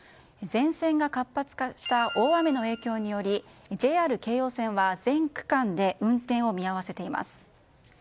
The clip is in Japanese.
前線が活発化した大雨の影響によりＪＲ京葉線は全区間で運転を見合わせています。